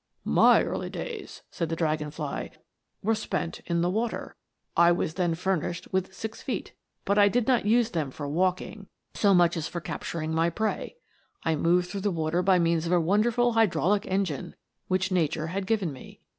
" My early days," said the dragon fly, " were spent in the water. I was then furnished with six feet, but I did not use them for walking so much as for capturing my prey. I moved through the water by means of a wonderful hydraulic engine, which nature had given me.